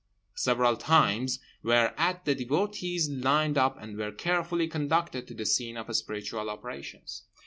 _" several times; whereat the devotees lined up and were carefully conducted to the scene of spiritual operations.